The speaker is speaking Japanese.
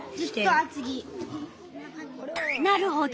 なるほど。